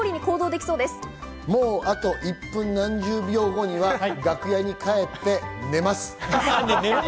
あと１分何秒後には楽屋に帰って寝ます。